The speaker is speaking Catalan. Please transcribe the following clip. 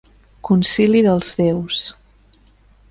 Concili dels déus.